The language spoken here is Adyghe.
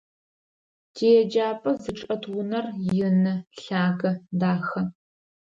Тиеджапӏэ зычӏэт унэр ины, лъагэ, дахэ.